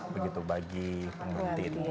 begitu bagi penghenti ini